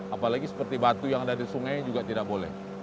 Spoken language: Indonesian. apalagi seperti batu yang ada di sungai juga tidak boleh